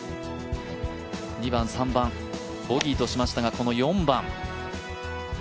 ２番、３番、ボギーとしましたが、この４番。